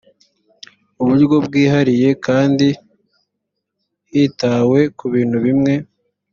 uburyo bwihariye kandi hitawe ku bintu bimwe